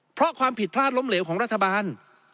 เพราะความผิดพลาดล้มเหลวของรัฐบาล